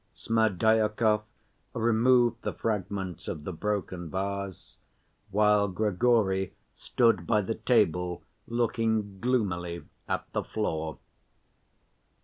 Smerdyakov removed the fragments of the broken vase, while Grigory stood by the table looking gloomily at the floor.